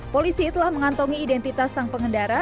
polisi telah mengantongi identitas sang pengendara